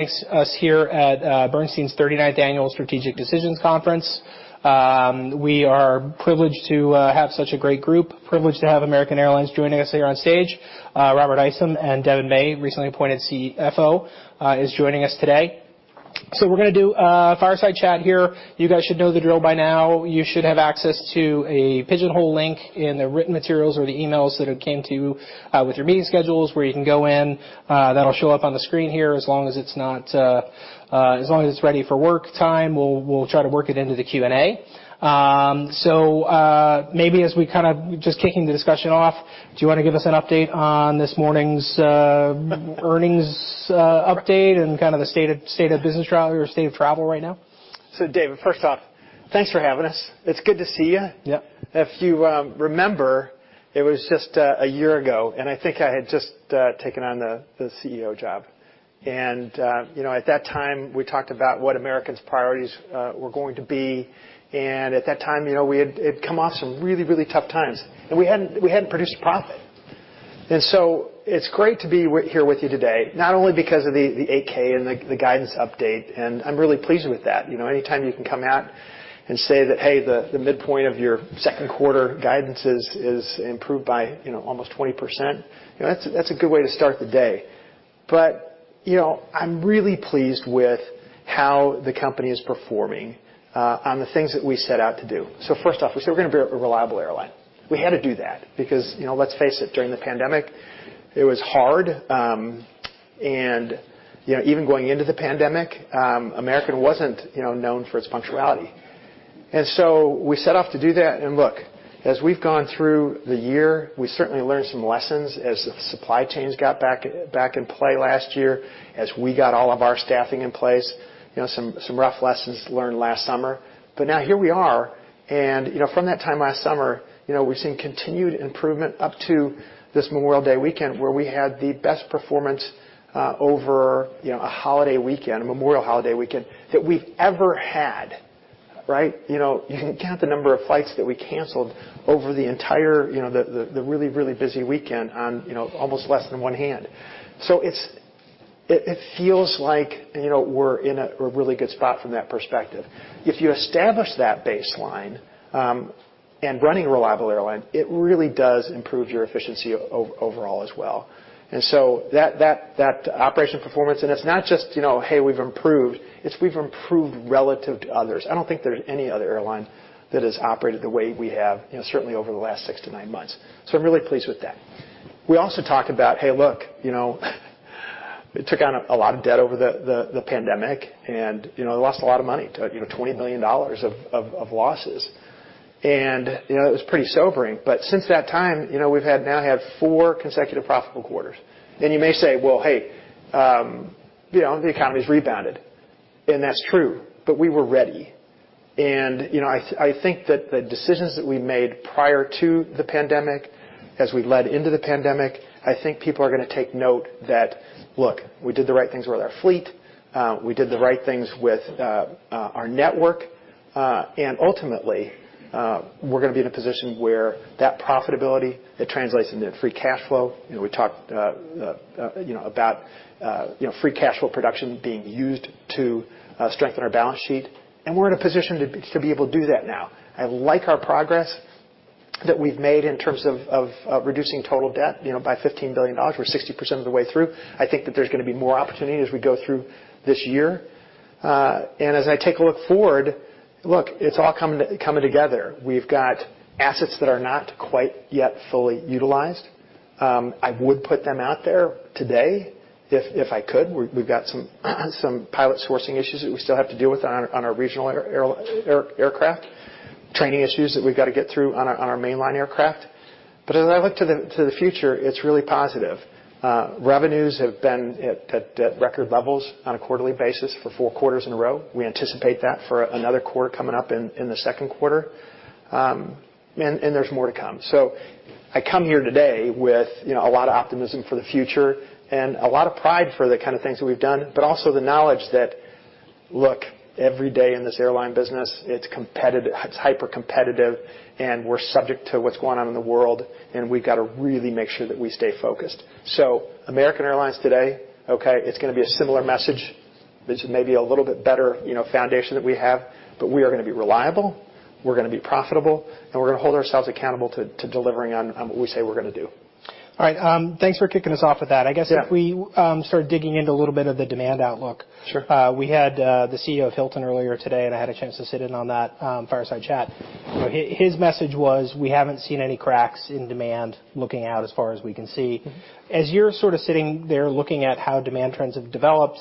Thanks us here at Bernstein's 39th Annual Strategic Decisions Conference. We are privileged to have such a great group, privileged to have American Airlines joining us here on stage. Robert Isom and Devon May, recently appointed CFO, is joining us today. We're gonna do a fireside chat here. You guys should know the drill by now. You should have access to a Pigeonhole link in the written materials or the emails that have came to you with your meeting schedules, where you can go in. That'll show up on the screen here, as long as it's not as long as it's ready for work time, we'll try to work it into the Q&A. Maybe as we kind of just kicking the discussion off, do you wanna give us an update on this morning's earnings update and kind of the state of business travel or state of travel right now? David, first off, thanks for having us. It's good to see you. Yep. If you remember, it was just a year ago, and I think I had just taken on the CEO job. You know, at that time, we talked about what American's priorities were going to be. At that time, you know, we had come off some really, really tough times, and we hadn't produced a profit. It's great to be here with you today, not only because of the ASK and the guidance update, and I'm really pleased with that. You know, anytime you can come out and say that, "Hey, the midpoint of your second quarter guidance is improved by, you know, almost 20%," you know, that's a good way to start the day. You know, I'm really pleased with how the company is performing on the things that we set out to do. First off, we said we're gonna be a reliable airline. We had to do that because, you know, let's face it, during the pandemic, it was hard. You know, even going into the pandemic, American wasn't, you know, known for its punctuality. We set off to do that, and look, as we've gone through the year, we certainly learned some lessons as the supply chains got back in play last year, as we got all of our staffing in place, you know, some rough lessons learned last summer. Now here we are, and, you know, from that time last summer, you know, we've seen continued improvement up to this Memorial Day weekend, where we had the best performance, over, you know, a holiday weekend, a Memorial holiday weekend, that we've ever had, right? You know, you can count the number of flights that we canceled over the entire, you know, the really, really busy weekend on, you know, almost less than one hand. It feels like, you know, we're in a really good spot from that perspective. If you establish that baseline, and running a reliable airline, it really does improve your efficiency overall as well. That operational performance, and it's not just, you know, "Hey, we've improved." It's we've improved relative to others. I don't think there's any other airline that has operated the way we have, you know, certainly over the last six to nine months. I'm really pleased with that. We also talked about, hey, look, you know, we took on a lot of debt over the pandemic, lost a lot of money, you know, $20 billion of losses. It was pretty sobering, but since that time, you know, we've now had four consecutive profitable quarters. You may say, "Well, hey, you know, the economy's rebounded," and that's true, but we were ready. I think that the decisions that we made prior to the pandemic, as we led into the pandemic, I think people are gonna take note that, look, we did the right things with our fleet. We did the right things with our network. Ultimately, we're gonna be in a position where that profitability, it translates into free cash flow. You know, we talked, you know, about, you know, free cash flow production being used to strengthen our balance sheet, and we're in a position to be able to do that now. I like our progress that we've made in terms of reducing total debt, you know, by $15 billion. We're 60% of the way through. I think that there's gonna be more opportunity as we go through this year. As I take a look forward, look, it's all coming together. We've got assets that are not quite yet fully utilized. I would put them out there today if I could. We've got some pilot sourcing issues that we still have to deal with on our, on our regional aircraft, training issues that we've got to get through on our, on our mainline aircraft. As I look to the, to the future, it's really positive. Revenues have been at record levels on a quarterly basis for four quarters in a row. We anticipate that for another quarter coming up in the second quarter. There's more to come. I come here today with, you know, a lot of optimism for the future and a lot of pride for the kind of things that we've done, but also the knowledge that, look, every day in this airline business, it's competitive, it's hypercompetitive, and we're subject to what's going on in the world, and we've got to really make sure that we stay focused. American Airlines today, okay, it's gonna be a similar message. This is maybe a little bit better, you know, foundation that we have, but we are gonna be reliable, we're gonna be profitable, and we're gonna hold ourselves accountable to delivering on what we say we're gonna do. All right, thanks for kicking us off with that. Yeah. I guess if we, start digging into a little bit of the demand outlook. Sure. We had the CEO of Hilton earlier today, and I had a chance to sit in on that fireside chat. His message was: We haven't seen any cracks in demand looking out as far as we can see. Mm-hmm. As you're sort of sitting there looking at how demand trends have developed,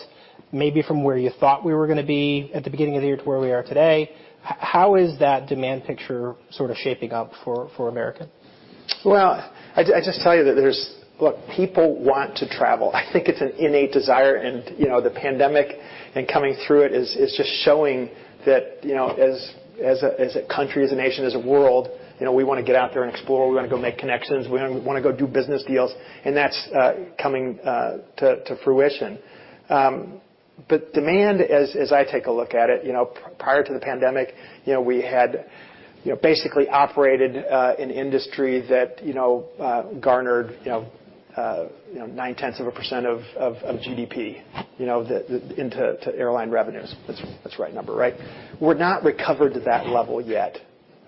maybe from where you thought we were gonna be at the beginning of the year to where we are today, how is that demand picture sort of shaping up for American? I just tell you that there's. Look, people want to travel. I think it's an innate desire, and, you know, the pandemic and coming through it is just showing that, you know, as a country, as a nation, as a world, you know, we wanna get out there and explore. We wanna go make connections. We wanna go do business deals, and that's coming to fruition. Demand, as I take a look at it, you know, prior to the pandemic, you know, we basically operated an industry that, you know, garnered, you know, 0.9% of GDP, you know, the to airline revenues. That's the right number, right? We're not recovered to that level yet,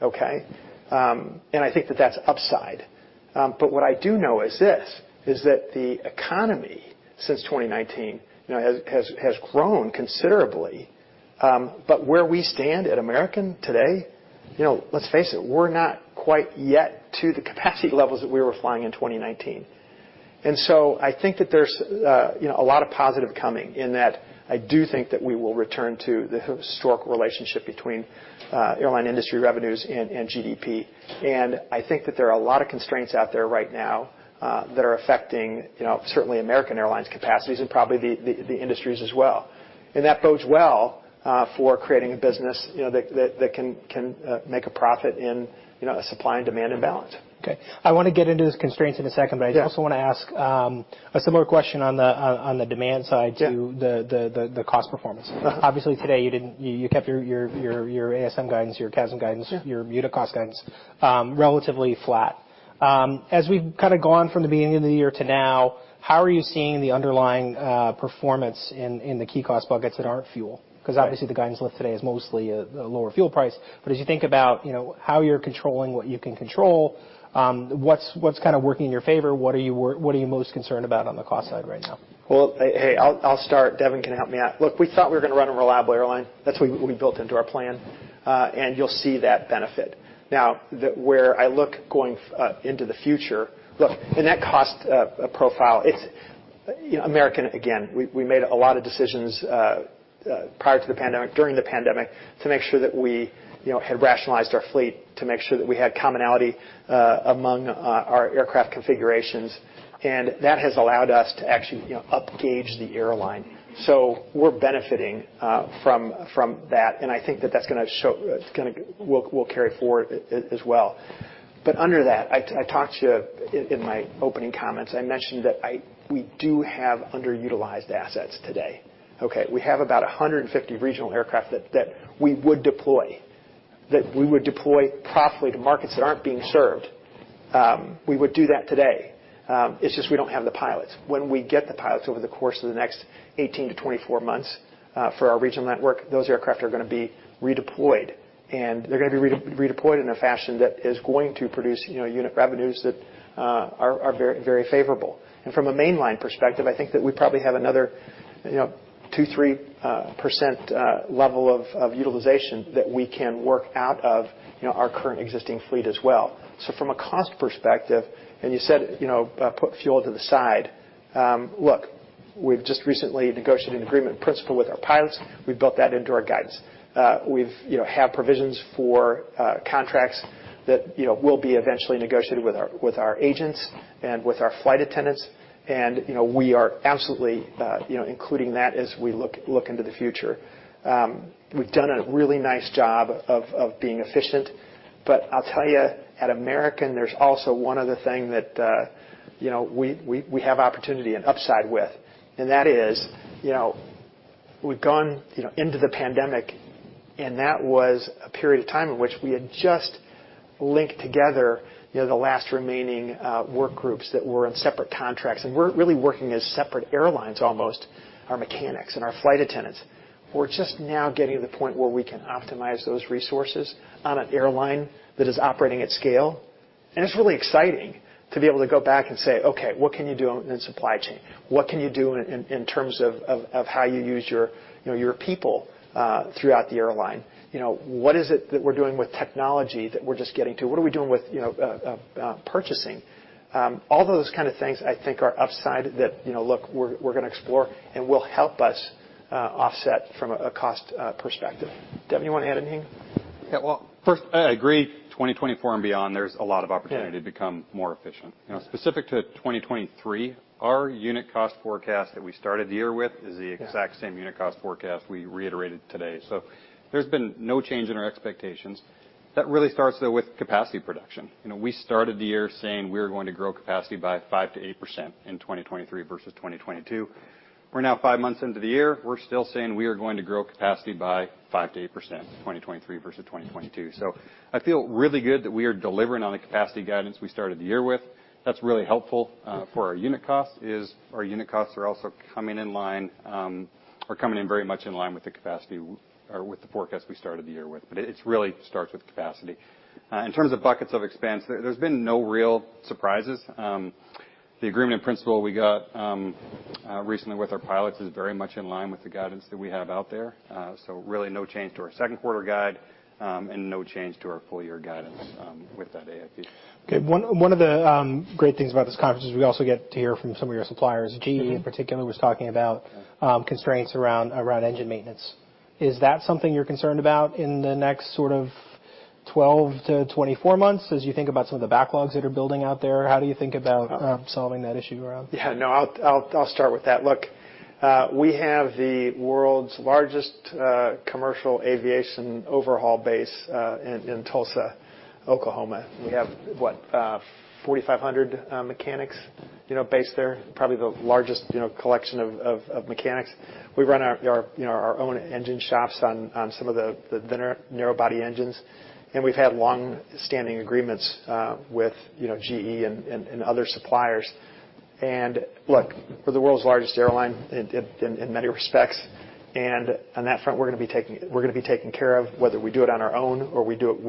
okay? I think that that's upside. What I do know is this, is that the economy since 2019, you know, has grown considerably. Where we stand at American today, you know, let's face it, we're not quite yet to the capacity levels that we were flying in 2019. I think that there's, you know, a lot of positive coming, in that I do think that we will return to the historical relationship between airline industry revenues and GDP. I think that there are a lot of constraints out there right now that are affecting, you know, certainly American Airlines capacities and probably the industries as well. That bodes well, for creating a business, you know, that can make a profit in, you know, a supply and demand imbalance. Okay, I wanna get into those constraints in a second- Yeah. I also wanna ask a similar question on the demand side. Yeah... to the cost performance. Uh-huh. Obviously, today, you didn't, you kept your ASM guidance, your CASM guidance. Yeah... your unit cost guidance, relatively flat. As we've kind of gone from the beginning of the year to now, how are you seeing the underlying performance in the key cost buckets that aren't fuel? Right. 'Cause obviously, the guidance lift today is mostly a lower fuel price. As you think about, you know, how you're controlling what you can control, what's kind of working in your favor? What are you most concerned about on the cost side right now? Well, hey, I'll start. Devon can help me out. Look, we thought we were gonna run a reliable airline. That's what we built into our plan, you'll see that benefit. Now, where I look into the future. Look, in that cost profile, it's, you know, American, again, we made a lot of decisions prior to the pandemic, during the pandemic, to make sure that we, you know, had rationalized our fleet, to make sure that we had commonality among our aircraft configurations. That has allowed us to actually, you know, up gauge the airline. We're benefiting from that, and I think that that's gonna show, we'll carry forward as well. Under that, I talked to you in my opening comments, I mentioned that we do have underutilized assets today, okay? We have about 150 regional aircraft that we would deploy, that we would deploy profitably to markets that aren't being served. We would do that today. It's just we don't have the pilots. When we get the pilots over the course of the next 18-24 months, for our regional network, those aircraft are gonna be redeployed, and they're gonna be redeployed in a fashion that is going to produce, you know, unit revenues that are very, very favorable. From a mainline perspective, I think that we probably have another, you know, 2, 3% level of utilization that we can work out of, you know, our current existing fleet as well. From a cost perspective, you said, you know, put fuel to the side, look, we've just recently negotiated an agreement in principle with our pilots. We've built that into our guidance. We've, you know, have provisions for contracts that, you know, will be eventually negotiated with our agents and with our flight attendants. You know, we are absolutely, you know, including that as we look into the future. We've done a really nice job of being efficient, but I'll tell you, at American, there's also one other thing that, we have opportunity and upside with, that is, we've gone into the pandemic, and that was a period of time in which we had just linked together, the last remaining work groups that were in separate contracts. We're really working as separate airlines, almost, our mechanics and our flight attendants. We're just now getting to the point where we can optimize those resources on an airline that is operating at scale. It's really exciting to be able to go back and say: Okay, what can you do on in supply chain? What can you do in terms of how you use your, you know, your people throughout the airline? You know, what is it that we're doing with technology that we're just getting to? What are we doing with, you know, purchasing? All those kind of things, I think, are upside that, you know, look, we're gonna explore and will help us offset from a cost perspective. Devin, you wanna add anything? Well, first, I agree, 2024 and beyond, there's a lot of opportunity. Yeah... to become more efficient. You know, specific to 2023, our unit cost forecast that we started the year with is the- Yeah exact same unit cost forecast we reiterated today. There's been no change in our expectations. That really starts, though, with capacity production. You know, we started the year saying we were going to grow capacity by 5%-8% in 2023 versus 2022. We're now 5 months into the year, we're still saying we are going to grow capacity by 5%-8%, 2023 versus 2022. I feel really good that we are delivering on the capacity guidance we started the year with. That's really helpful for our unit costs, is our unit costs are also coming in line or coming in very much in line with the forecast we started the year with. It's really starts with capacity. In terms of buckets of expense, there's been no real surprises. The agreement principle we got recently with our pilots is very much in line with the guidance that we have out there. Really no change to our second quarter guide, and no change to our full year guidance, with that AIP. Okay, one of the great things about this conference is we also get to hear from some of your suppliers. Mm-hmm. GE, in particular, was talking about constraints around engine maintenance. Is that something you're concerned about in the next sort of 12 to 24 months, as you think about some of the backlogs that are building out there? Sure... solving that issue around? Yeah, no, I'll start with that. Look, we have the world's largest commercial aviation overhaul base in Tulsa, Oklahoma. We have, what? 4,500 mechanics, you know, based there, probably the largest, you know, collection of mechanics. We run our, you know, our own engine shops on some of the thinner narrowbody engines, and we've had long-standing agreements with, you know, GE and other suppliers. Look, we're the world's largest airline in many respects, and on that front, we're gonna be taken care of, whether we do it on our own or we do it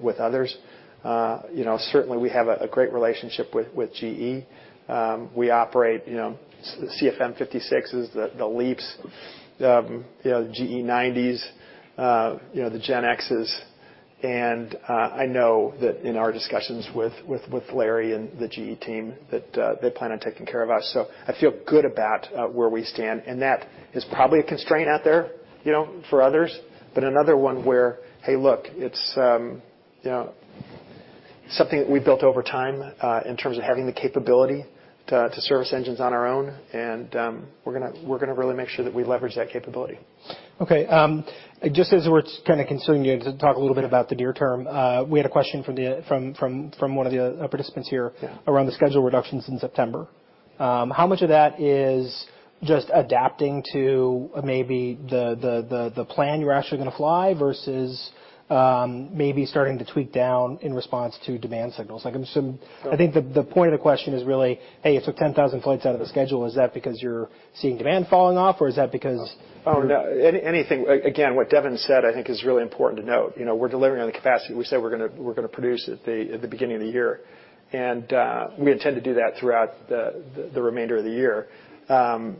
with others. You know, certainly we have a great relationship with GE. We operate, you know, CFM56s, the LEAP, you know, GE90s, you know, the GEnxs. I know that in our discussions with Larry and the GE team, that they plan on taking care of us. I feel good about where we stand, and that is probably a constraint out there, you know, for others, but another one where, hey, look, it's, you know, something that we've built over time, in terms of having the capability to service engines on our own, and we're gonna really make sure that we leverage that capability. Just as we're kind of continuing to talk a little bit about the near term, we had a question from one of the participants here. Yeah. around the schedule reductions in September. How much of that is just adapting to maybe the plan you're actually gonna fly versus maybe starting to tweak down in response to demand signals? Like, I'm just. Sure. I think the point of the question is really, hey, you took 10,000 flights out of the schedule, is that because you're seeing demand falling off, or is that because? Oh, no. Anything. Again, what Devin said, I think is really important to note. You know, we're delivering on the capacity we said we're gonna produce at the beginning of the year. We intend to do that throughout the remainder of the year.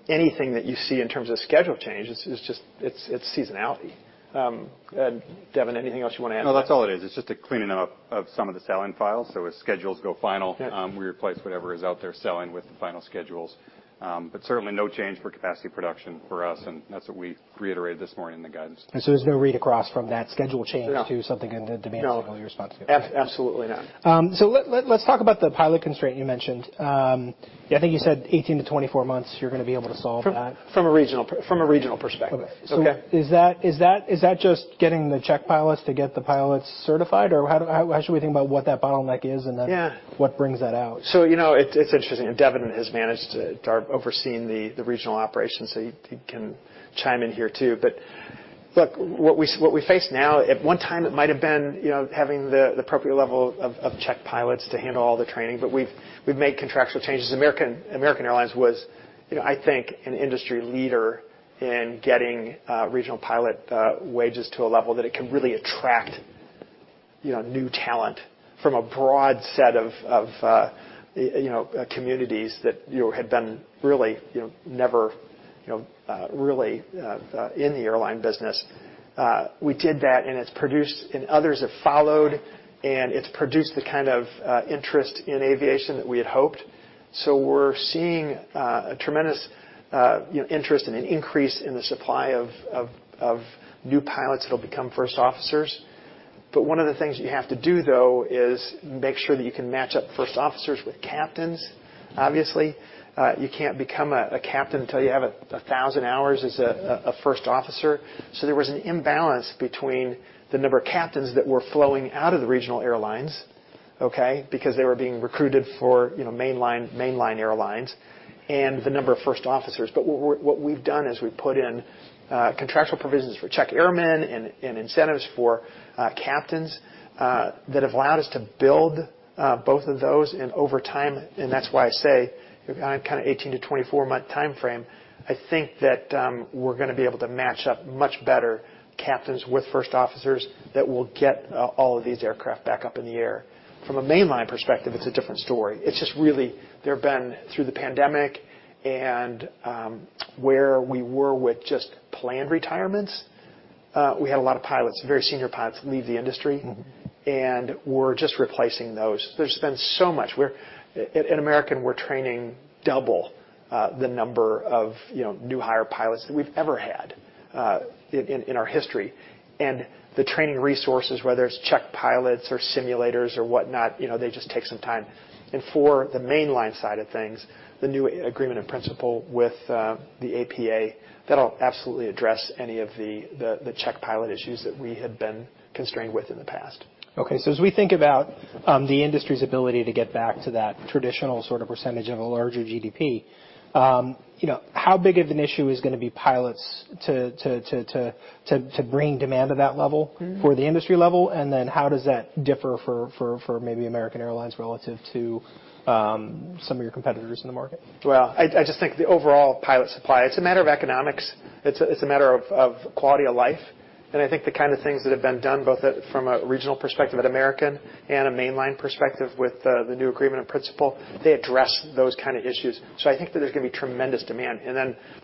Anything that you see in terms of schedule changes is just, it's seasonality. Devin, anything else you wanna add? No, that's all it is. It's just a cleaning up of some of the selling files. As schedules go final. Yeah... we replace whatever is out there selling with the final schedules. Certainly no change for capacity production for us, and that's what we reiterated this morning in the guidance. There's no read across from that schedule change. No. to something in the demand signal response to it? No. Absolutely not. let's talk about the pilot constraint you mentioned. Yeah. I think you said 18-24 months, you're gonna be able to solve that. From a regional perspective. Okay. Okay? Is that just getting the check pilots to get the pilots certified? Or how should we think about what that bottleneck is? Yeah What brings that out? You know, it's interesting, and Devin has managed to overseen the regional operations, so he can chime in here, too. Look, what we face now, at one time it might have been, you know, having the appropriate level of check pilots to handle all the training, but we've made contractual changes. American Airlines was, you know, I think, an industry leader in getting regional pilot wages to a level that it can really attract, you know, new talent from a broad set of communities that, you know, had been really, you know, never, you know, really in the airline business. We did that, and it's produced. Others have followed, and it's produced the kind of interest in aviation that we had hoped. We're seeing, a tremendous, you know, interest and an increase in the supply of new pilots that'll become first officers. One of the things you have to do, though, is make sure that you can match up first officers with captains, obviously. You can't become a captain until you have 1,000 hours as a first officer. There was an imbalance between the number of captains that were flowing out of the regional airlines, okay? Because they were being recruited for, you know, mainline airlines, and the number of first officers. What we've done is we've put in contractual provisions for check airmen and incentives for captains that have allowed us to build both of those, and over time, and that's why I say I'm kind of 18-24-month timeframe, I think that we're gonna be able to match up much better captains with first officers that will get all of these aircraft back up in the air. From a mainline perspective, it's a different story. It's just really, there have been, through the pandemic and where we were with just planned retirements, we had a lot of pilots, very senior pilots, leave the industry. Mm-hmm. We're just replacing those. There's been so much. At American, we're training double the number of, you know, new hire pilots than we've ever had in our history. The training resources, whether it's check pilots or simulators or whatnot, you know, they just take some time. For the mainline side of things, the new agreement in principle with the APA, that'll absolutely address any of the check pilot issues that we had been constrained with in the past. As we think about, the industry's ability to get back to that traditional sort of percentage of a larger GDP, you know, how big of an issue is gonna be pilots to bring demand to that level? Mm-hmm... for the industry level? How does that differ for maybe American Airlines relative to, some of your competitors in the market? I just think the overall pilot supply, it's a matter of economics. It's a matter of quality of life, and I think the kind of things that have been done, both at, from a regional perspective at American and a mainline perspective with the new agreement in principle, they address those kind of issues. I think that there's gonna be tremendous demand.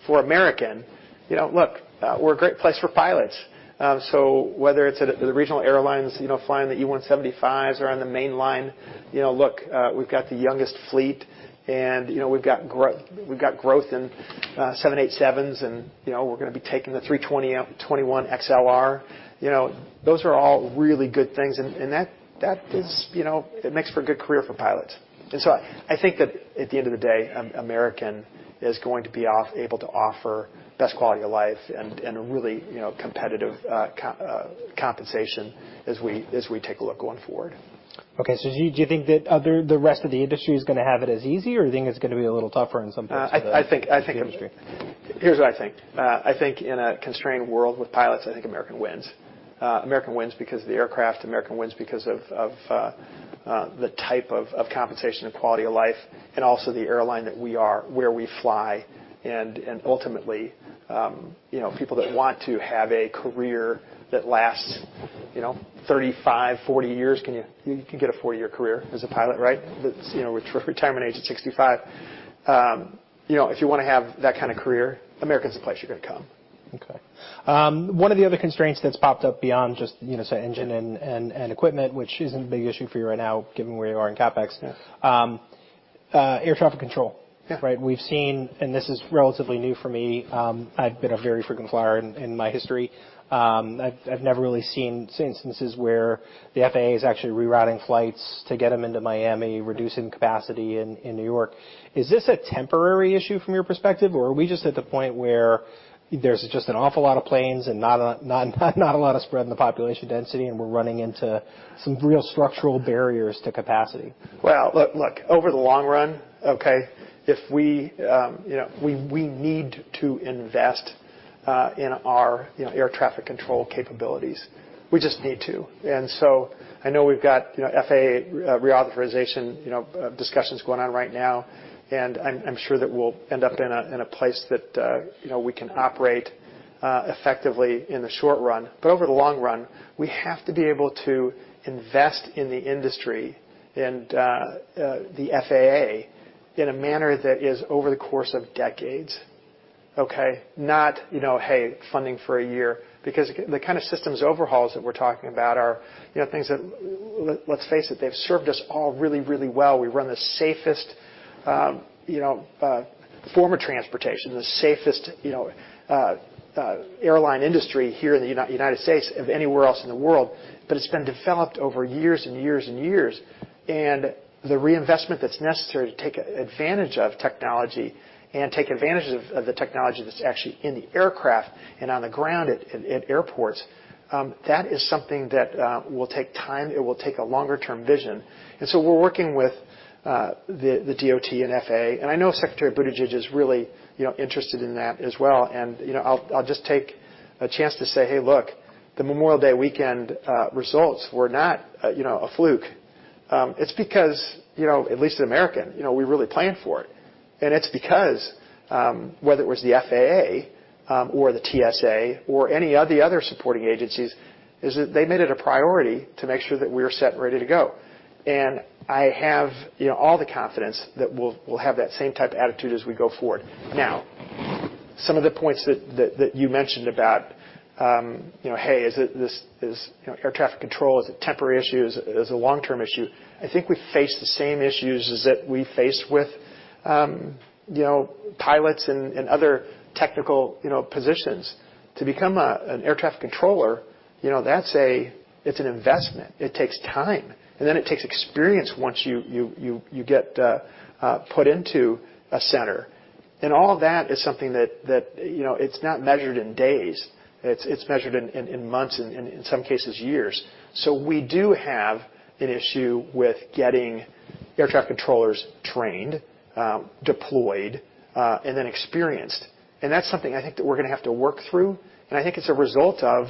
For American, you know, look, we're a great place for pilots. Whether it's at the regional airlines, you know, flying the E175s or on the mainline, you know, look, we've got the youngest fleet, and, you know, we've got growth in 787s, and, you know, we're gonna be taking the A321, A321XLR. You know, those are all really good things, and that is, you know, it makes for a good career for pilots. I think that at the end of the day, American is going to be able to offer best quality of life and a really, you know, competitive compensation as we take a look going forward. Okay. Do you think the rest of the industry is gonna have it as easy, or do you think it's gonna be a little tougher in some places? I think. Industry. Here's what I think. I think in a constrained world with pilots, I think American wins. American wins because of the aircraft, American wins because of the type of compensation and quality of life, and also the airline that we are, where we fly, and ultimately, you know, people that want to have a career that lasts, you know, 35, 40 years. You can get a 40-year career as a pilot, right? That's, you know, with retirement age at 65. You know, if you wanna have that kind of career, American's the place you're gonna come. Okay. One of the other constraints that's popped up beyond just, you know, say, engine and equipment, which isn't a big issue for you right now, given where you are in CapEx. Yeah. Air traffic control. Yeah. Right? We've seen, and this is relatively new for me, I've been a very frequent flyer in my history. I've never really seen instances where the FAA is actually rerouting flights to get them into Miami, reducing capacity in New York. Is this a temporary issue from your perspective, or are we just at the point where there's just an awful lot of planes and not a lot of spread in the population density, and we're running into some real structural barriers to capacity? Well, look, over the long run, okay, if we, you know, we need to invest in our, you know, air traffic control capabilities. We just need to. I know we've got, you know, FAA reauthorization, you know, discussions going on right now, and I'm sure that we'll end up in a, in a place that, you know, we can operate effectively in the short run. Over the long run, we have to be able to invest in the industry and the FAA in a manner that is over the course of decades, okay? Not, you know, hey, funding for a year. The kind of systems overhauls that we're talking about are, you know, things that, let's face it, they've served us all really, really well. We run the safest, you know, form of transportation, the safest, you know, airline industry here in the United States of anywhere else in the world, but it's been developed over years and years and years. The reinvestment that's necessary to take advantage of technology and take advantage of the technology that's actually in the aircraft and on the ground at airports, that is something that will take time. It will take a longer term vision. We're working with the DOT and FAA, and I know Secretary Buttigieg is really, you know, interested in that as well. You know, I'll just take a chance to say, "Hey, look, the Memorial Day weekend results were not, you know, a fluke." It's because, you know, at least at American, you know, we really planned for it. It's because, whether it was the FAA or the TSA or any of the other supporting agencies, is that they made it a priority to make sure that we were set and ready to go. I have, you know, all the confidence that we'll have that same type of attitude as we go forward. Some of the points that you mentioned about, you know, hey, is it, this is, you know, air traffic control, is it a temporary issue? Is it a long-term issue? I think we face the same issues as that we face with, you know, pilots and other technical, you know, positions. To become an air traffic controller, you know, that's an investment. It takes time, and then it takes experience once you get put into a center. All that is something that, you know, it's not measured in days. It's measured in months, in some cases, years. We do have an issue with getting air traffic controllers trained, deployed, and then experienced. That's something I think that we're gonna have to work through, and I think it's a result of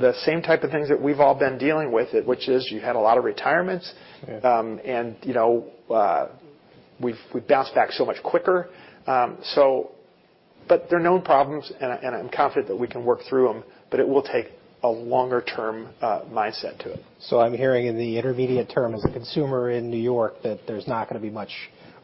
the same type of things that we've all been dealing with, which is you had a lot of retirements. Yeah. You know, we've bounced back so much quicker. They're known problems, and I'm confident that we can work through them, but it will take a longer term mindset to it. I'm hearing in the intermediate term, as a consumer in New York, that there's not gonna be much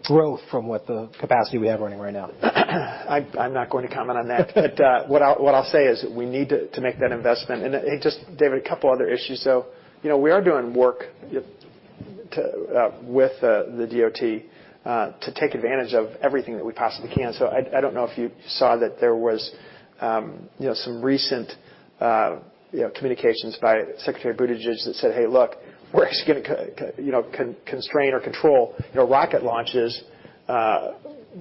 growth from what the capacity we have running right now. I'm not going to comment on that. What I'll say is that we need to make that investment. Hey, just, David, a couple other issues, though. You know, we are doing work with the DOT to take advantage of everything that we possibly can. I don't know if you saw that there was, you know, some recent, you know, communications by Secretary Buttigieg that said, "Hey, look, we're actually gonna. You know, constrain or control, you know, rocket launches,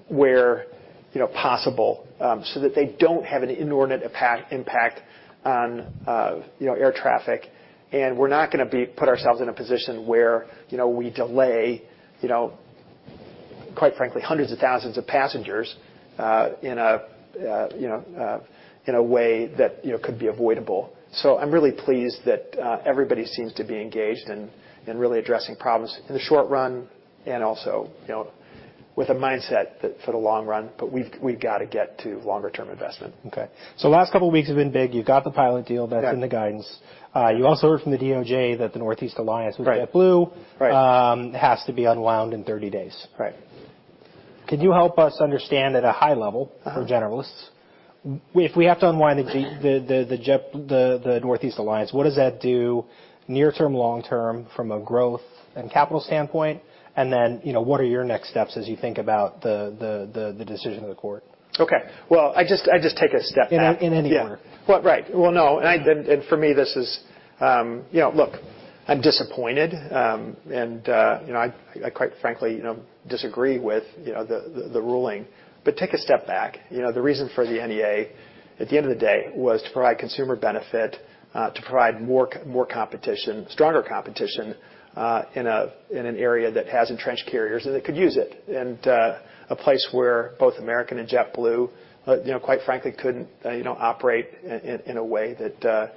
where, you know, possible, so that they don't have an inordinate impact on, you know, air traffic. We're not gonna put ourselves in a position where, you know, we delay, you know, quite frankly, hundreds of thousands of passengers, in a you know, in a way that, you know, could be avoidable. I'm really pleased that everybody seems to be engaged in really addressing problems in the short run and also, you know, with a mindset that for the long run, but we've got to get to longer-term investment. Okay. The last couple weeks have been big. You've got the pilot. Yeah. that's in the guidance. You also heard from the DOJ that the Northeast Alliance- Right. with JetBlue Right. Has to be unwound in 30 days. Right. Could you help us understand at a high level? Uh-huh. for generalists, if we have to unwind the jet, the Northeast Alliance, what does that do near term, long term, from a growth and capital standpoint? Then, you know, what are your next steps as you think about the decision of the court? Okay. Well, I just take a step back. In any order. Yeah. Well, right. Well, no, and I for me, this is, you know, I'm disappointed, and, you know, I quite frankly, you know, disagree with the ruling. Take a step back. You know, the reason for the NEA, at the end of the day, was to provide consumer benefit, to provide more competition, stronger competition, in an area that has entrenched carriers, and they could use it. A place where both American and JetBlue, you know, quite frankly, couldn't, you know, operate in a way that,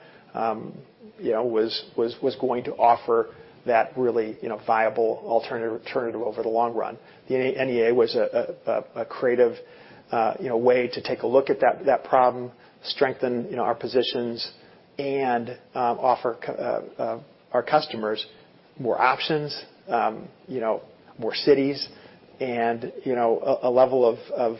you know, was going to offer that really, you know, viable alternative over the long run. The NEA was a creative, you know, way to take a look at that problem, strengthen, you know, our positions, and offer our customers more options, you know, more cities, and, you know, a level of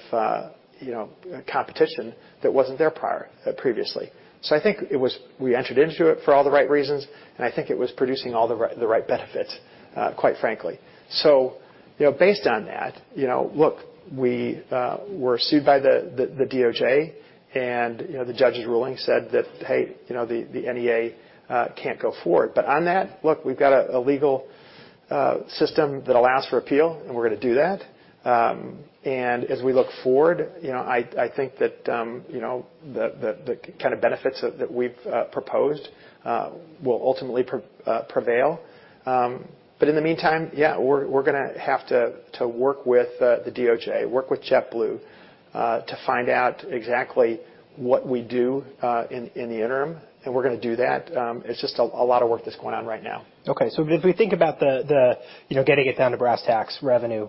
competition that wasn't there prior, previously. I think it was we entered into it for all the right reasons, and I think it was producing all the right benefits, quite frankly. Based on that, you know, look, we were sued by the DOJ, and, you know, the judge's ruling said that, "Hey, you know, the NEA can't go forward." On that, look, we've got a legal system that allows for appeal, and we're gonna do that. As we look forward, you know, I think that, you know, the kind of benefits that we've proposed, will ultimately prevail. In the meantime, yeah, we're gonna have to work with the DOJ, work with JetBlue, to find out exactly what we do in the interim, and we're gonna do that. It's just a lot of work that's going on right now. Okay, if we think about the, you know, getting it down to brass tacks, revenue,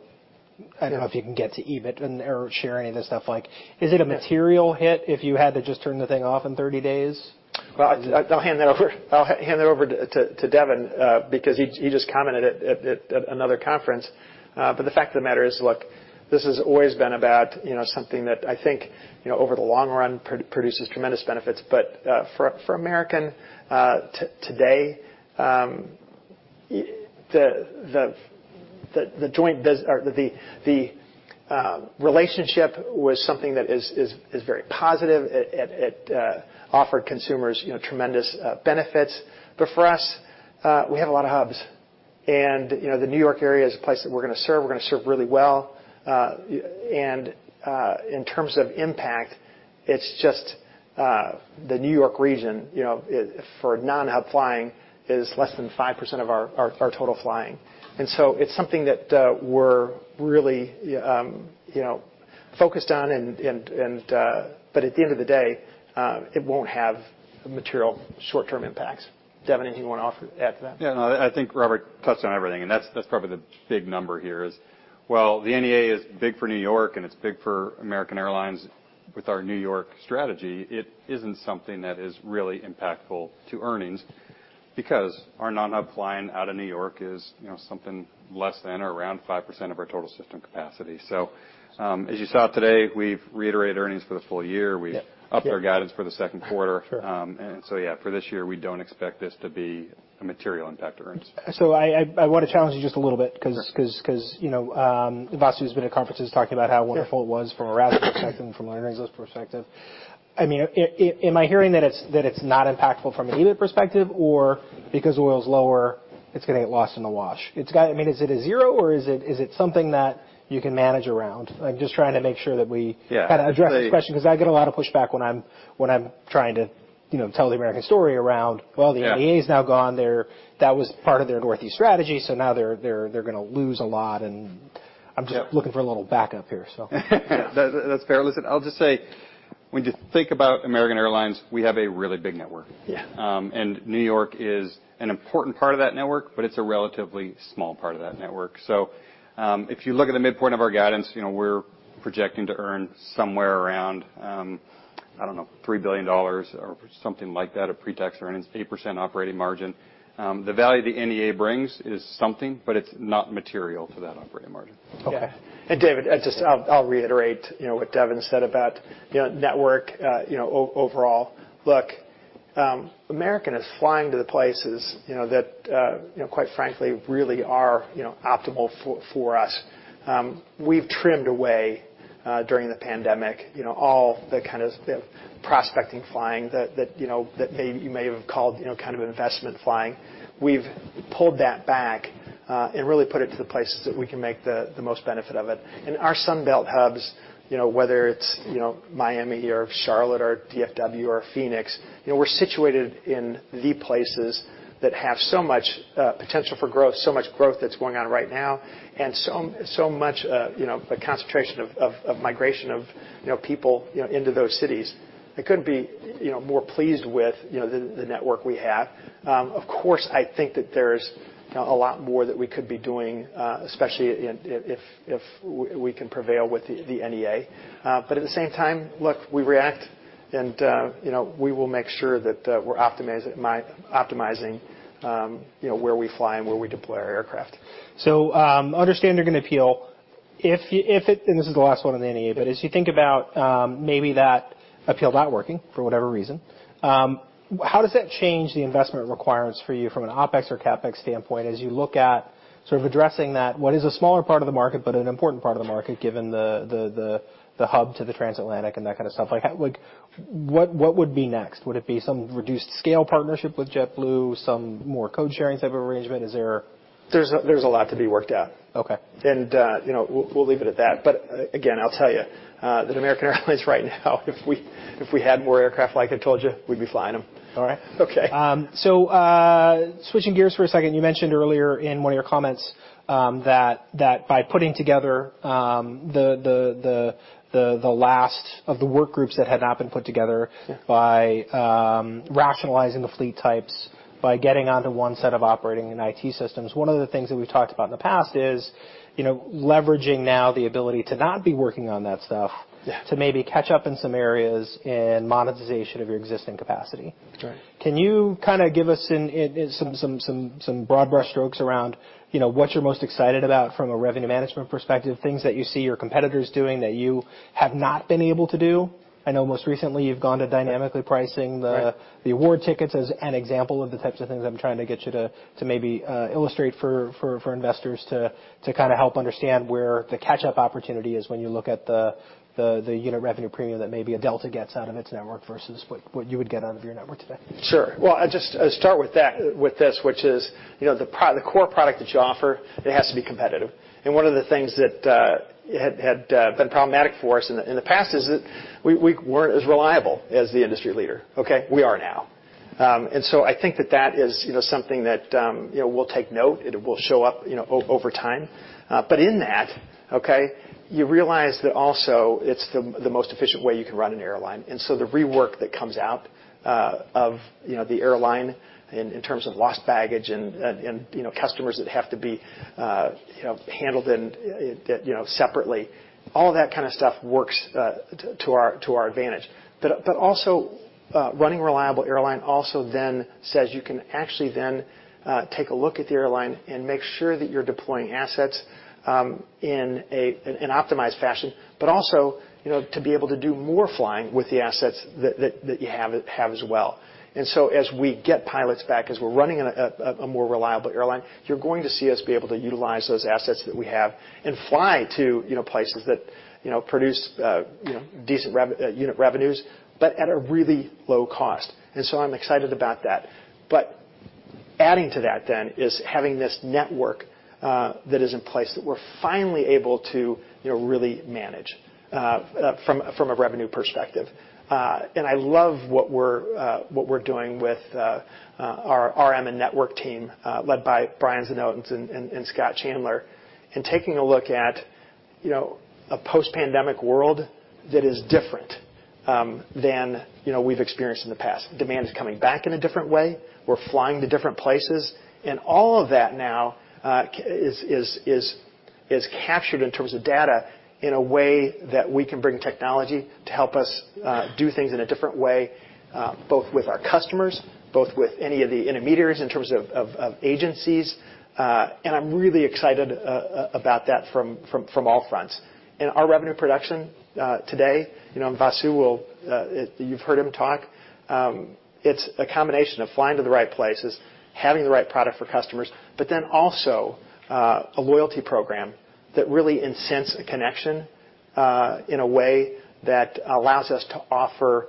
I don't know if you can get to EBIT and or share any of this stuff. Like, is it a material hit if you had to just turn the thing off in 30 days? I'll hand that over to Devin, because he just commented at another conference. The fact of the matter is, look, this has always been about, you know, something that I think, you know, over the long run, produces tremendous benefits. For American, today, the joint bus- or the relationship was something that is very positive. It offered consumers, you know, tremendous benefits. For us, we have a lot of hubs, and, you know, the New York area is a place that we're gonna serve. We're gonna serve really well. And in terms of impact, it's just the New York region, you know, it... For non-hub flying is less than 5% of our total flying. It's something that, we're really, you know, focused on. At the end of the day, it won't have material short-term impacts. Devon, anything you want to offer, add to that? Yeah, no, I think Robert touched on everything, and that's probably the big number here is, while the NEA is big for New York, and it's big for American Airlines with our New York strategy, it isn't something that is really impactful to earnings because our non-hub flying out of New York is, you know, something less than or around 5% of our total system capacity. As you saw today, we've reiterated earnings for the full year. Yeah. We've upped our guidance for the second quarter. Sure. Yeah, for this year, we don't expect this to be a material impact to earnings. I want to challenge you just a little bit. Sure... 'cause, you know, Vasu's been at conferences talking about... Yeah wonderful it was from a RASM perspective and from an earnings perspective. I mean, am I hearing that it's not impactful from an EBIT perspective, or because oil's lower, it's getting lost in the wash? I mean, is it a zero, or is it something that you can manage around? I'm just trying to make sure that we. Yeah kind of address this question because I get a lot of pushback when I'm trying to, you know, tell the American story. Yeah Well, the NEA is now gone there. That was part of their Northeast strategy. Now they're gonna lose a lot. Yeah I'm just looking for a little backup here, so. That's fair. Listen, I'll just say, when you think about American Airlines, we have a really big network. Yeah. New York is an important part of that network, but it's a relatively small part of that network. If you look at the midpoint of our guidance, you know, we're projecting to earn somewhere around, I don't know, $3 billion or something like that of pretax earnings, 8% operating margin. The value the NEA brings is something, but it's not material to that operating margin. Okay. Yeah. David, I just I'll reiterate, you know, what Devin said about, you know, network, you know, overall. Look, American is flying to the places, you know, that, you know, quite frankly, really are, you know, optimal for us. We've trimmed away during the pandemic, you know, all the kind of the prospecting flying that, you know, you may have called, you know, kind of investment flying. We've pulled that back and really put it to the places that we can make the most benefit of it. Our Sun Belt hubs, you know, whether it's, you know, Miami or Charlotte or DFW or Phoenix, you know, we're situated in the places that have so much potential for growth, so much growth that's going on right now, and so much, you know, a concentration of migration of, you know, people, you know, into those cities. I couldn't be, you know, more pleased with, you know, the network we have. Of course, I think that there's a lot more that we could be doing, especially in, if we can prevail with the NEA. At the same time, look, we react and, you know, we will make sure that we're optimizing, you know, where we fly and where we deploy our aircraft. Understand you're going to appeal. If you, if it, this is the last one on the NEA, as you think about maybe that appealed out working for whatever reason. How does that change the investment requirements for you from an OpEx or CapEx standpoint, as you look at sort of addressing that, what is a smaller part of the market, but an important part of the market, given the hub to the transatlantic and that kind of stuff? Like what would be next? Would it be some reduced scale partnership with JetBlue, some more code sharing type of arrangement? Is there- There's a lot to be worked out. Okay. You know, we'll leave it at that. Again, I'll tell you, that American Airlines right now, if we had more aircraft like I told you, we'd be flying them. All right. Okay. Switching gears for a second, you mentioned earlier in one of your comments, that by putting together, the last of the work groups that had not been put together. Yeah... by rationalizing the fleet types, by getting onto one set of operating and IT systems. One of the things that we've talked about in the past is, you know, leveraging now the ability to not be working on that stuff. Yeah to maybe catch up in some areas in monetization of your existing capacity. That's right. Can you kinda give us in some broad brush strokes around, you know, what you're most excited about from a revenue management perspective, things that you see your competitors doing that you have not been able to do? I know most recently you've gone to dynamically pricing. Right the award tickets as an example of the types of things I'm trying to get you to maybe illustrate for investors to kinda help understand where the catch-up opportunity is when you look at the unit revenue premium that maybe a Delta gets out of its network versus what you would get out of your network today. Sure. Well, I just, I start with that, with this, which is, you know, the core product that you offer, it has to be competitive. One of the things that had been problematic for us in the past is that we weren't as reliable as the industry leader, okay? We are now. So I think that that is, you know, something that, you know, we'll take note, it will show up, you know, over time. In that, okay, you realize that also it's the most efficient way you can run an airline. The rework that comes out of, you know, the airline in terms of lost baggage and, you know, customers that have to be, you know, handled in, you know, separately, all of that kind of stuff works to our advantage. Also, running a reliable airline also then says you can actually then take a look at the airline and make sure that you're deploying assets in an optimized fashion, but also, you know, to be able to do more flying with the assets that you have as well. As we get pilots back, as we're running a more reliable airline, you're going to see us be able to utilize those assets that we have and fly to, you know, places that, you know, produce, you know, decent unit revenues, but at a really low cost. I'm excited about that. Adding to that then is having this network that is in place that we're finally able to, you know, really manage from a revenue perspective. I love what we're doing with our RM and network team, led by Brian Znotins and Scott Chandler. Taking a look at, you know, a post-pandemic world that is different than, you know, we've experienced in the past. Demand is coming back in a different way. We're flying to different places. All of that now is captured in terms of data in a way that we can bring technology to help us do things in a different way, both with our customers, both with any of the intermediaries in terms of agencies. I'm really excited about that from all fronts. Our revenue production today, you know, Vasu will, you've heard him talk. It's a combination of flying to the right places, having the right product for customers, also a loyalty program that really incents a connection in a way that allows us to offer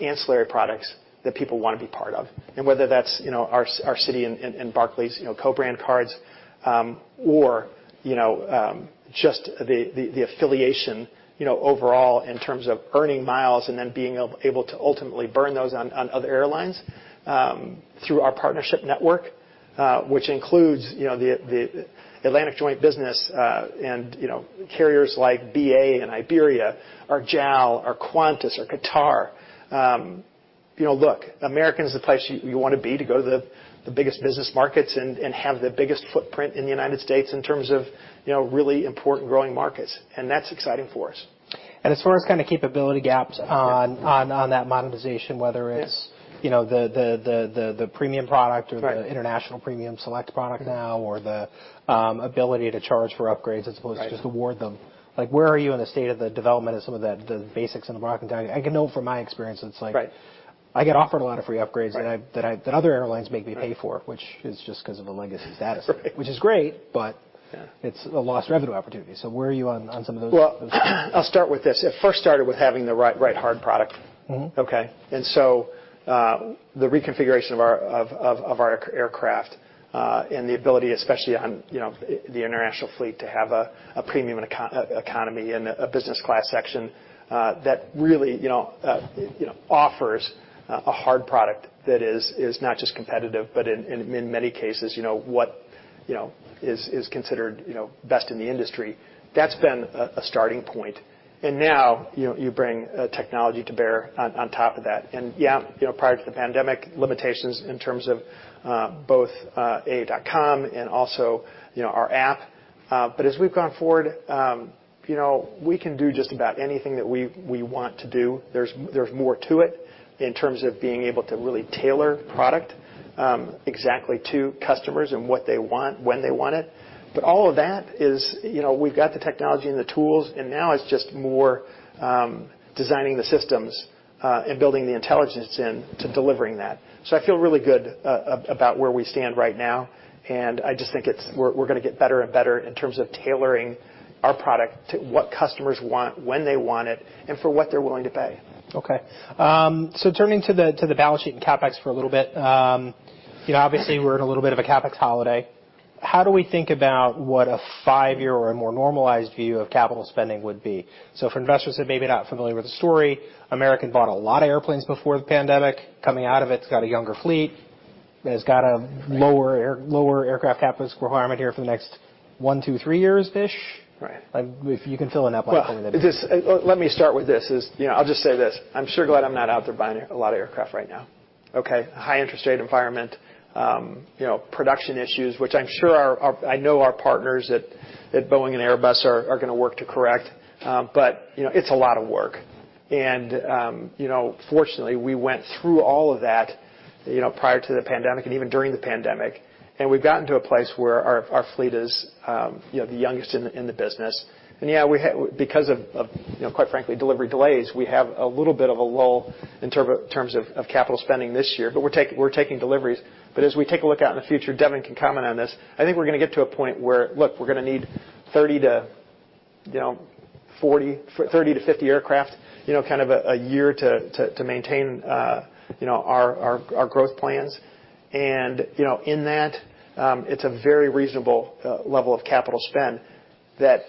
ancillary products that people wanna be part of. Whether that's, you know, our Citi and Barclays, you know, co-brand cards, or, you know, just the affiliation, you know, overall in terms of earning miles and then being able to ultimately burn those on other airlines, through our partnership network, which includes, you know, the Atlantic Joint Business, and, you know, carriers like BA and Iberia, or JAL, or Qantas, or Qatar. You know, look, American is the place you wanna be to go to the biggest business markets and have the biggest footprint in the United States in terms of, you know, really important growing markets, and that's exciting for us. As far as kind of capability gaps. Yeah... on that monetization. Yeah... you know, the premium product- Right... or the international premium select product. Mm-hmm or the ability to charge for upgrades. Right... to just award them. Like, where are you in the state of the development of some of the basics in the market? I can know from my experience, it's like- Right... I get offered a lot of free upgrades. Right... that I, that other airlines make me pay for... Right... which is just 'cause of a legacy status. Right. Which is great. Yeah... it's a lost revenue opportunity. Where are you on some of those? Well, I'll start with this. It first started with having the right hard product. Mm-hmm. Okay? The reconfiguration of our aircraft and the ability, especially on, you know, the international fleet, to have a premium and economy and a business class section, that really, you know, offers a hard product that is not just competitive, but in many cases, you know, what, you know, is considered, you know, best in the industry. That's been a starting point. Now, you know, you bring technology to bear on top of that. Yeah, you know, prior to the pandemic, limitations in terms of both aa.com and also, you know, our app. As we've gone forward, you know, we can do just about anything that we want to do. There's more to it in terms of being able to really tailor product, exactly to customers and what they want, when they want it. All of that is. You know, we've got the technology and the tools, and now it's just more, designing the systems, and building the intelligence in to delivering that. I feel really good about where we stand right now, and I just think it's we're gonna get better and better in terms of tailoring our product to what customers want, when they want it, and for what they're willing to pay. Okay. Turning to the balance sheet and CapEx for a little bit, you know, obviously, we're in a little bit of a CapEx holiday. How do we think about what a 5-year or a more normalized view of capital spending would be? For investors who may be not familiar with the story, American bought a lot of airplanes before the pandemic. Coming out of it's got a younger fleet, and it's got a lower aircraft cap requirement here for the next 1 to 2, 3 years-ish? Right. Like, if you can fill in that blank for me. Well, this, let me start with this, is, you know, I'll just say this: I'm sure glad I'm not out there buying a lot of aircraft right now, okay? High interest rate environment, you know, production issues, which I'm sure our, I know our partners at Boeing and Airbus are going to work to correct. You know, it's a lot of work. You know, fortunately, we went through all of that, you know, prior to the pandemic and even during the pandemic, and we've gotten to a place where our fleet is, you know, the youngest in the business. Yeah, we had because of, you know, quite frankly, delivery delays, we have a little bit of a lull in terms of capital spending this year, but we're taking deliveries. As we take a look out in the future, Devin can comment on this, I think we're going to get to a point where, look, we're going to need 30 to, you know, 40, 30 to 50 aircraft, you know, kind of a year to maintain, you know, our growth plans. You know, in that, it's a very reasonable level of capital spend that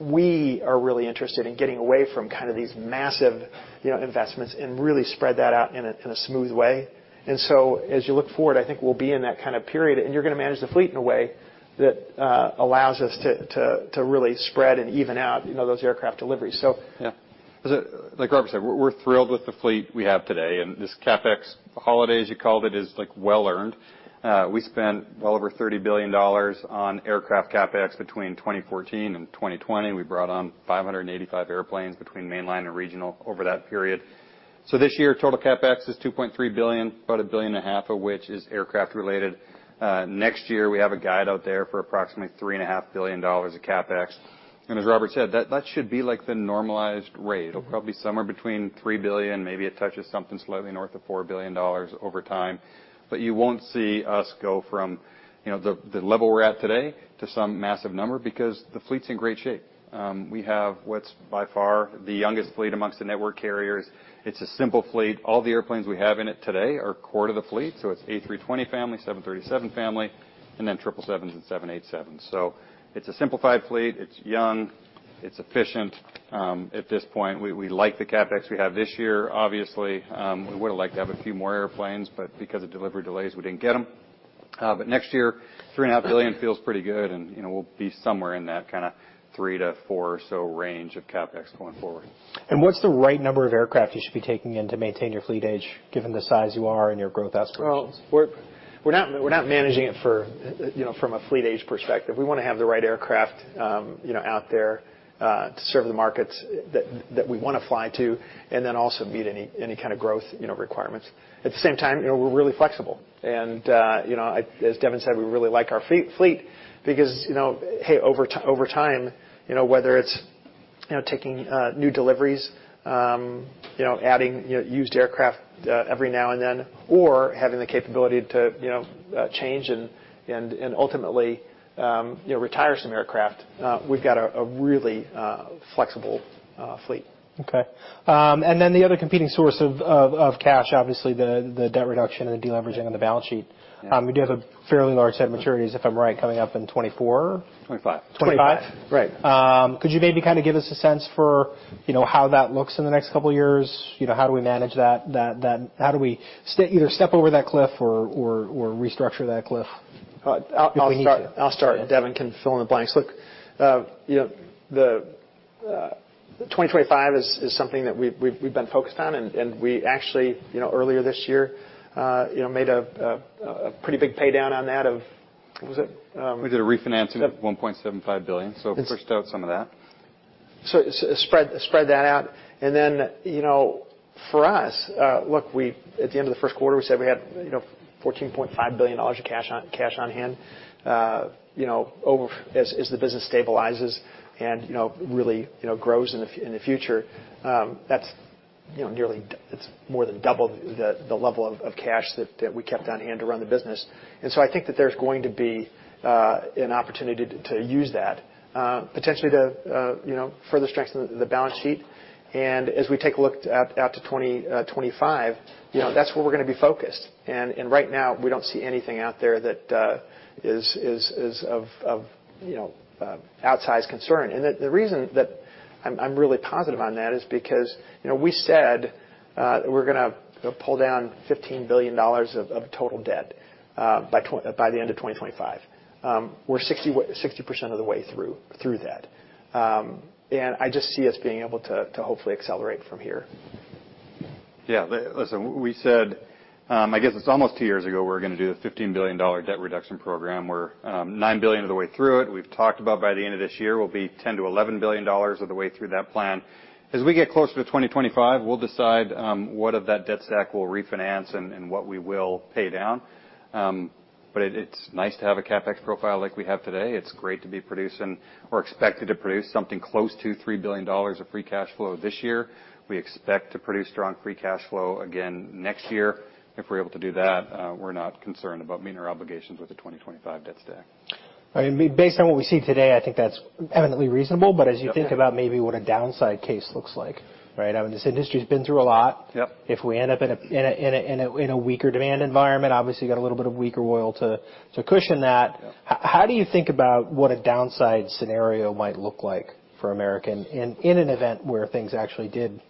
we are really interested in getting away from kind of these massive, you know, investments and really spread that out in a smooth way. As you look forward, I think we'll be in that kind of period, and you're going to manage the fleet in a way that allows us to really spread and even out, you know, those aircraft deliveries. Yeah. Like Robert said, we're thrilled with the fleet we have today, and this CapEx holiday, as you called it, is, like, well earned. We spent well over $30 billion on aircraft CapEx between 2014 and 2020. We brought on 585 airplanes between mainline and regional over that period. This year, total CapEx is $2.3 billion, about a billion and a half of which is aircraft related. Next year, we have a guide out there for approximately three and a half billion dollars of CapEx. As Robert said, that should be, like, the normalized rate. It'll probably be somewhere between $3 billion, maybe it touches something slightly north of $4 billion over time. You won't see us go from, you know, the level we're at today to some massive number because the fleet's in great shape. We have what's by far the youngest fleet amongst the network carriers. It's a simple fleet. All the airplanes we have in it today are core to the fleet, so it's A320 family, 737 family, and then 777s and 787s. It's a simplified fleet, it's young, it's efficient. At this point, we like the CapEx we have this year. Obviously, we would have liked to have a few more airplanes, but because of delivery delays, we didn't get them. Next year, $3.5 billion feels pretty good, and, you know, we'll be somewhere in that kind of $3 billion-$4 billion or so range of CapEx going forward. What's the right number of aircraft you should be taking in to maintain your fleet age, given the size you are and your growth aspirations? Well, we're not managing it for, you know, from a fleet age perspective. We want to have the right aircraft, you know, out there to serve the markets that we want to fly to, and then also meet any kind of growth, you know, requirements. At the same time, you know, we're really flexible. you know, as Devon said, we really like our fleet because, you know, hey, over time, you know, whether it's, you know, taking new deliveries, you know, adding, you know, used aircraft every now and then, or having the capability to, you know, change and ultimately, you know, retire some aircraft, we've got a really flexible fleet. The other competing source of cash, obviously, the debt reduction and the deleveraging on the balance sheet. Yeah. You do have a fairly large set of maturities, if I'm right, coming up in 2024? Twenty-five. Twenty-five? Right. Could you maybe kind of give us a sense for, you know, how that looks in the next couple of years? You know, how do we manage that how do we either step over that cliff or restructure that cliff if we need to? I'll start. Devon can fill in the blanks. Look, you know, the 2025 is something that we've been focused on. We actually, you know, earlier this year, you know, made a pretty big paydown on that of... What was it? We did a refinancing of $1.75 billion, so it pushed out some of that. Spread that out. You know, for us, look, at the end of the first quarter, we said we had, you know, $14.5 billion of cash on hand. You know, as the business stabilizes and, you know, really, you know, grows in the future, that's, you know, nearly it's more than double the level of cash that we kept on hand to run the business. I think that there's going to be an opportunity to use that, potentially to, you know, further strengthen the balance sheet. As we take a look at, out to 2025, you know, that's where we're going to be focused. Right now, we don't see anything out there that is of, you know, outsized concern. The reason that I'm really positive on that is because, you know, we said we're going to pull down $15 billion of total debt by the end of 2025. We're 60% of the way through that. I just see us being able to hopefully accelerate from here. Yeah. Listen, we said, I guess it's almost two years ago, we're going to do a $15 billion debt reduction program. We're 9 billion of the way through it. We've talked about by the end of this year, we'll be $10 billion-$11 billion of the way through that plan. As we get closer to 2025, we'll decide what of that debt stack we'll refinance and what we will pay down. It's nice to have a CapEx profile like we have today. It's great to be producing or expected to produce something close to $3 billion of free cash flow this year. We expect to produce strong free cash flow again next year. If we're able to do that, we're not concerned about meeting our obligations with the 2025 debt stack. I mean, based on what we see today, I think that's evidently reasonable. Yep. As you think about maybe what a downside case looks like, right? I mean, this industry's been through a lot. Yep. If we end up in a weaker demand environment, obviously, you got a little bit of weaker oil to cushion that. Yep. How do you think about what a downside scenario might look like for American in an event where things actually did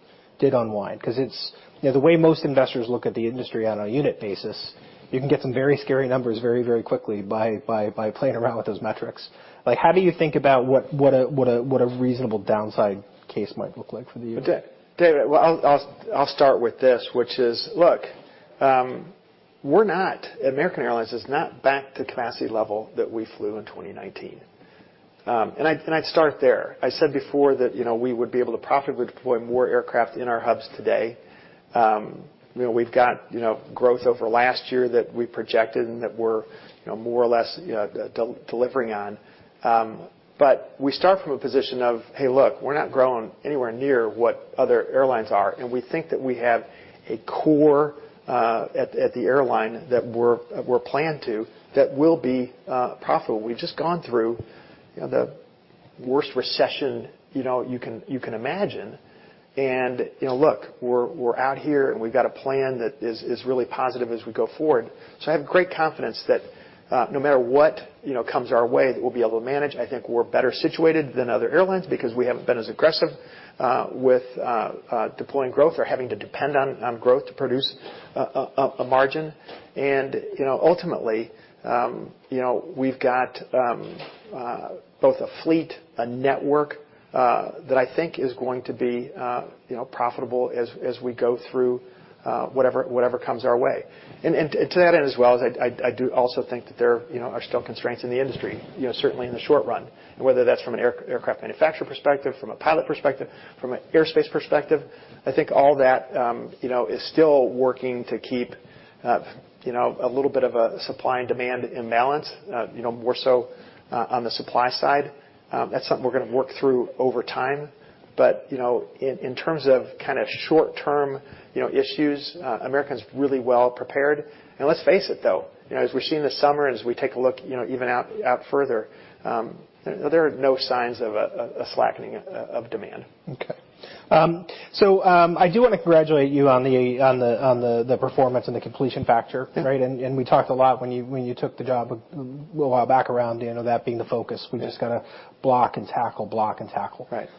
unwind? It's, you know, the way most investors look at the industry on a unit basis, you can get some very scary numbers very, very quickly by playing around with those metrics. Like, how do you think about what a reasonable downside case might look like for the year? David, well, I'll start with this, which is, look, American Airlines is not back to capacity level that we flew in 2019. I'd start there. I said before that, you know, we would be able to profitably deploy more aircraft in our hubs today. You know, we've got, you know, growth over last year that we projected, and that we're, you know, more or less, you know, delivering on. We start from a position of, hey, look, we're not growing anywhere near what other airlines are, and we think that we have a core at the airline that we're planned to, that will be profitable. We've just gone through, you know, the worst recession, you know, you can imagine, you know, look, we're out here, and we've got a plan that is really positive as we go forward. I have great confidence that no matter what, you know, comes our way, that we'll be able to manage. I think we're better situated than other airlines because we haven't been as aggressive with deploying growth or having to depend on growth to produce a margin. You know, ultimately, you know, we've got both a fleet, a network that I think is going to be, you know, profitable as we go through whatever comes our way. To that end as well, is I do also think that there, you know, are still constraints in the industry, you know, certainly in the short run. Whether that's from an air-aircraft manufacturer perspective, from a pilot perspective, from an airspace perspective, I think all that, you know, is still working to keep, you know, a little bit of a supply and demand imbalance, you know, more so on the supply side. That's something we're gonna work through over time. You know, in terms of kind of short-term, you know, issues, American's really well prepared. Let's face it, though, you know, as we've seen this summer, and as we take a look, you know, even out further, there are no signs of a slackening of demand. Okay. I do wanna congratulate you on the performance and the completion factor. Yeah. Right? We talked a lot when you took the job a little while back around, you know, that being the focus. Yeah. We just gotta block and tackle, block and tackle. Right.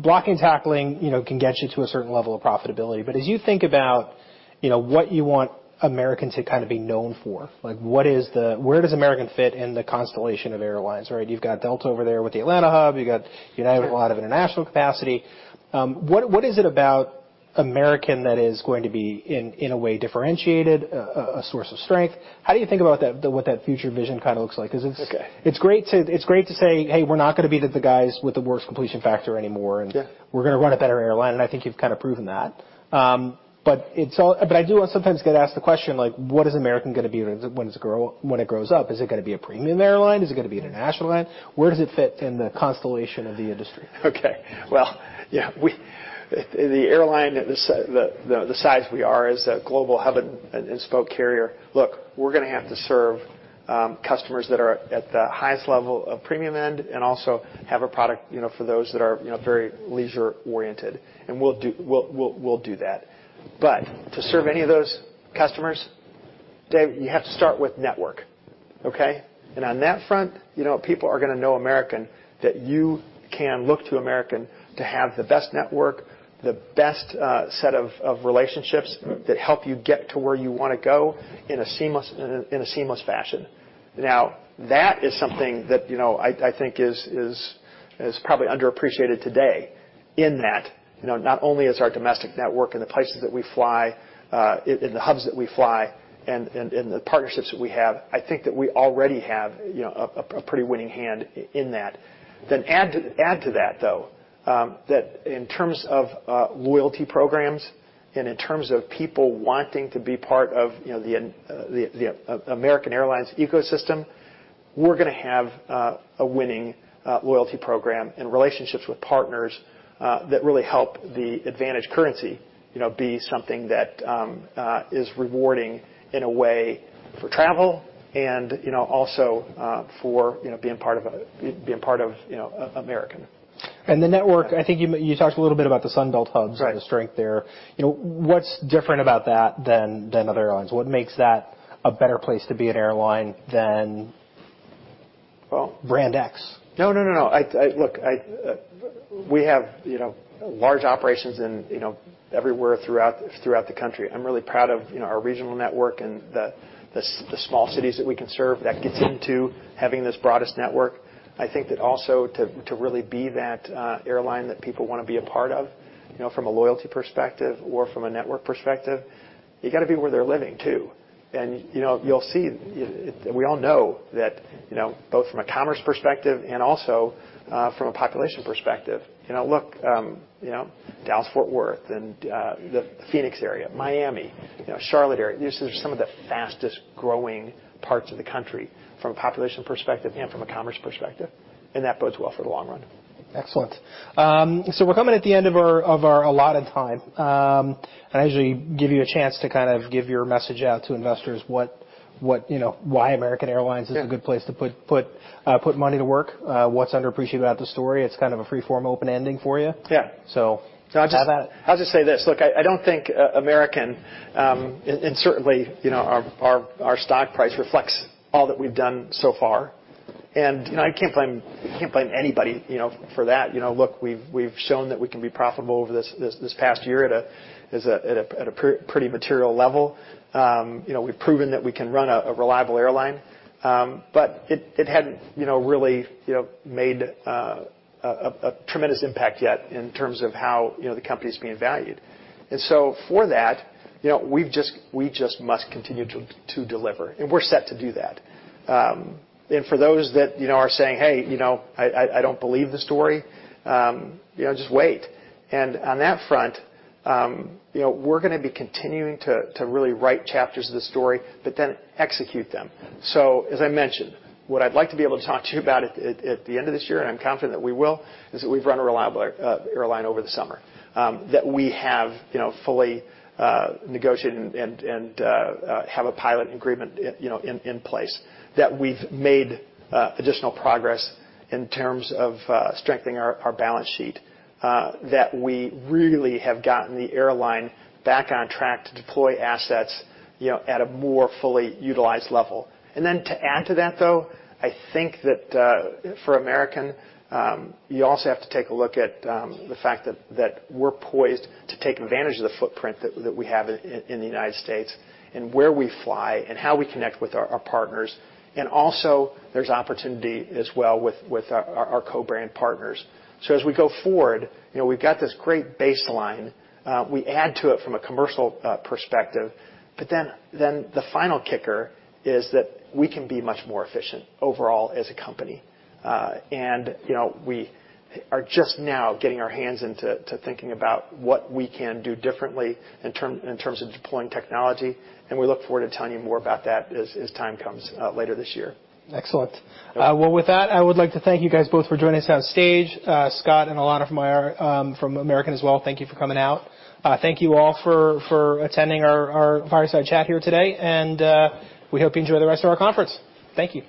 blocking and tackling, you know, can get you to a certain level of profitability. As you think about, you know, what you want American to kind of be known for, like, where does American fit in the constellation of airlines, right? You've got Delta over there with the Atlanta hub. You've got United. Sure. -with a lot of international capacity. What is it about American that is going to be, in a way, differentiated, a source of strength? How do you think about that, what that future vision kind of looks like? Okay. it's great to say, "Hey, we're not gonna be the guys with the worst completion factor anymore... Yeah. We're gonna run a better airline," and I think you've kind of proven that. I do sometimes get asked the question, like, what is American gonna be when it grows up? Is it gonna be a premium airline? Is it gonna be an international airline? Where does it fit in the constellation of the industry? Okay. Well, yeah, the airline, the size we are as a global hub and spoke carrier, look, we're gonna have to serve customers that are at the highest level of premium end and also have a product, you know, for those that are, you know, very leisure oriented, and we'll do that. To serve any of those customers, Dave, you have to start with network, okay. On that front, you know, people are gonna know American, that you can look to American to have the best network, the best set of relationships that help you get to where you wanna go in a seamless fashion. Now, that is something that, you know, I think is probably underappreciated today in that, you know, not only is our domestic network and the places that we fly, and the hubs that we fly and the partnerships that we have, I think that we already have, you know, a pretty winning hand in that. Then add to that, though, that in terms of loyalty programs and in terms of people wanting to be part of, you know, the American Airlines ecosystem, we're gonna have a winning loyalty program and relationships with partners that really help the advantage currency, you know, be something that is rewarding in a way for travel and, you know, also for, you know, being part of, you know, American. The network, I think you talked a little bit about the Sun Belt hubs. Right. -and the strength there. You know, what's different about that than other airlines? What makes that a better place to be an airline than? Well- Brand X? No, no, no, I... Look, I, we have, you know, large operations in, you know, everywhere throughout the country. I'm really proud of, you know, our regional network and the small cities that we can serve that gets into having this broadest network. I think that also to really be that airline that people wanna be a part of, you know, from a loyalty perspective or from a network perspective, you gotta be where they're living, too. You know, you'll see, we all know that, you know, both from a commerce perspective and also from a population perspective. You know, look, Dallas-Fort Worth and the Phoenix area, Miami, you know, Charlotte area. These are some of the fastest growing parts of the country from a population perspective and from a commerce perspective, and that bodes well for the long run. Excellent. We're coming at the end of our allotted time. I actually give you a chance to kind of give your message out to investors, what, you know, why American Airlines. Yeah. is a good place to put money to work, what's underappreciated about the story. It's kind of a free form, open ending for you. Yeah. Have at it. I'll just say this. Look, I don't think American, and certainly, you know, our stock price reflects all that we've done so far, and I can't blame anybody, you know, for that. You know, look, we've shown that we can be profitable over this past year at a pretty material level. You know, we've proven that we can run a reliable airline, but it hadn't, you know, really made a tremendous impact yet in terms of how, you know, the company's being valued. For that, you know, we just must continue to deliver, and we're set to do that. For those that, you know, are saying, "Hey, you know, I don't believe the story," you know, just wait. On that front, you know, we're gonna be continuing to really write chapters of the story, but then execute them. As I mentioned, what I'd like to be able to talk to you about at the end of this year, and I'm confident that we will, is that we've run a reliable airline over the summer. That we have, you know, fully negotiated and have a pilot agreement, you know, in place. That we've made additional progress in terms of strengthening our balance sheet. That we really have gotten the airline back on track to deploy assets, you know, at a more fully utilized level. To add to that, though, I think that, for American, you also have to take a look at the fact that we're poised to take advantage of the footprint that we have in the United States and where we fly and how we connect with our partners. Also, there's opportunity as well with our co-brand partners. As we go forward, you know, we've got this great baseline. We add to it from a commercial perspective, but then the final kicker is that we can be much more efficient overall as a company. You know, we are just now getting our hands into thinking about what we can do differently in terms of deploying technology, and we look forward to telling you more about that as time comes later this year. Excellent. Yeah. Well, with that, I would like to thank you guys both for joining us on stage. Scott and Ilana from IR, from American as well, thank you for coming out. Thank you all for attending our Fireside Chat here today. We hope you enjoy the rest of our conference. Thank you.